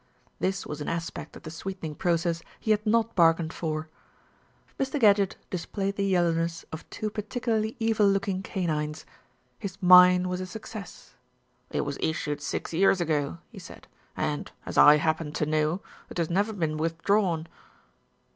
This was an aspect of the sweetening process he had not bargained for. Mr. Gadgett displayed the yellowness of two par ticularly evil looking canines. His mine was a success. "It was issued six years ago," he said, "and, as I happen to know, it has never been withdrawn."